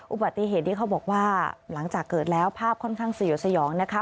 อุบัติเหตุนี้เขาบอกว่าหลังจากเกิดแล้วภาพค่อนข้างสยดสยองนะคะ